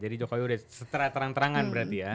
jadi jokowi udah seterak terang terangan berarti ya